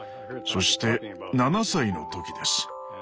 そして７歳の時です。